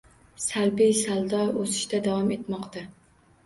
Salbiy saldo o'sishda davom etmoqda;